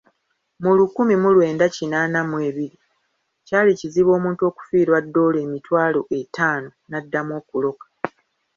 Mu lukumi mu lwenda kinaana mu ebiri kyali kizibu omuntu okufiirwa ddoola emitwalo etaano n'addamu okuloka.